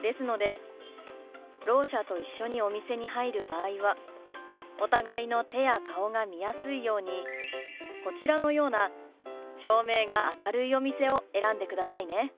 ですのでろう者と一緒にお店に入る場合はお互いの手や顔が見やすいようにこちらのような照明が明るいお店を選んでくださいね。